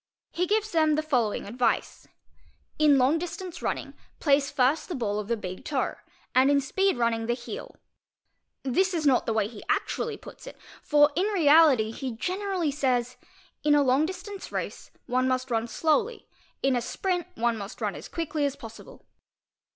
He gives them the following advice :—"' In long distance rur nit place first the ball of the big toe and in speed running the heel"'. e not the way he actually puts it; for in reality he generally says: "Inal distance race ; one must run slowly; in a sprint, one must run as quic! as possible".